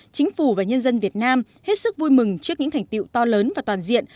chính phủ và nhân dân việt nam hết sức vui mừng trước những thành tiệu to lớn và toàn diện